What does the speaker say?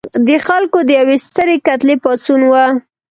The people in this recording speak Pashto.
د خلکو د یوې سترې کتلې پاڅون و.